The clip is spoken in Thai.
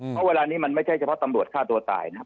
เพราะเวลานี้มันไม่ใช่เฉพาะตำรวจฆ่าตัวตายนะครับ